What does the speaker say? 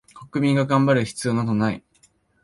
国民が頑張る必要などない